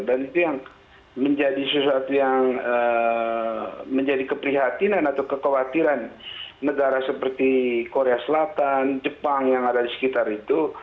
dan itu yang menjadi sesuatu yang menjadi keprihatinan atau kekhawatiran negara seperti korea selatan jepang yang ada di sekitar itu